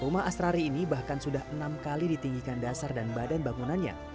rumah astrari ini bahkan sudah enam kali ditinggikan dasar dan badan bangunannya